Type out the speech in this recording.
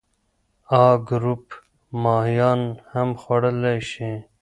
A ګروپ ماهیان هم خوړلی شي.